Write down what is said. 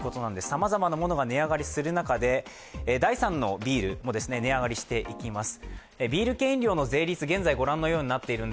さまざまなものが値上がりする中で第３のビールも値上がりしていきます。